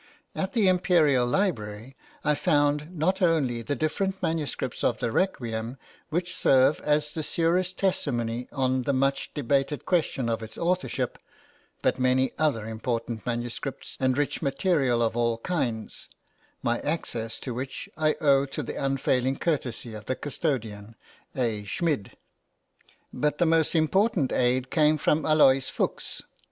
At the Imperial Library I found not only the different manuscripts of the Requiem which serve as the surest testimony on the much debated question of its authorship, but many other important manuscripts and rich material of all kinds, my access to which I owe to the unfailing courtesy of the custodian, A. Schmid. But the most important aid came from Aloys Fuchs.